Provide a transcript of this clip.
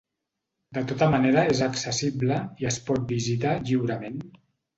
De tota manera és accessible i es pot visitar lliurement.